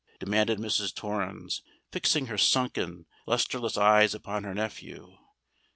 demanded Mrs. Torrens, fixing her sunken, lustreless eyes upon her nephew.